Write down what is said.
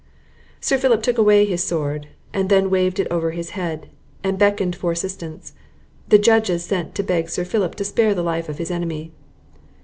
Sir Philip took away his sword, and then waved it over his head, and beckoned for assistance. The judges sent to beg Sir Philip to spare the life of his enemy.